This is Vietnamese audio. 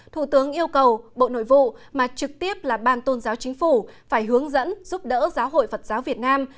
thủ tướng yêu cầu bộ nội vụ mà trực tiếp là ban tôn giáo chính phủ phải hướng dẫn giúp đỡ giáo hội phật giáo việt nam